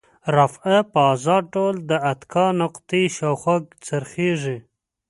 رافعه په ازاد ډول د اتکا نقطې شاوخوا څرخیږي.